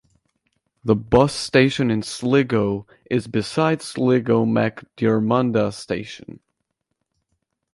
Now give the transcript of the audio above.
The bus station in Sligo is beside Sligo Mac Diarmada Station.